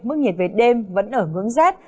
mức nhiệt về đêm vẫn ở ngưỡng z